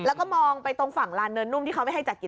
คุณผู้ชมถามมาในไลฟ์ว่าเขาขอฟังเหตุผลที่ไม่ให้จัดอีกที